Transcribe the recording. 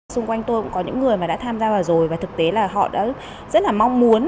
xung quanh tôi cũng có những người mà đã tham gia vào rồi và thực tế là họ đã rất là mong muốn